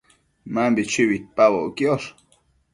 Mambi chui uidpaboc quiosh